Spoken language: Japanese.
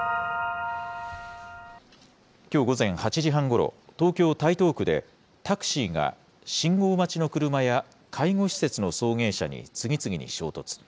きょう午前８時半ごろ、東京・台東区で、タクシーが信号待ちの車や、介護施設の送迎車に次々に衝突。